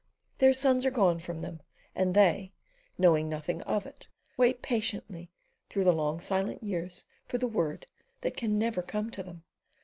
Their sons are gone from them, and they, knowing nothing of it, wait patiently through the long silent years for the word that can never come to them.